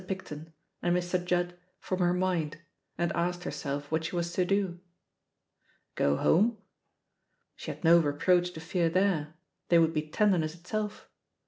Picton» and Mr. Judd from her poind and asked berself what she was to do. !Go home? She had no reproach to fear there, ihey would be tenderness itself.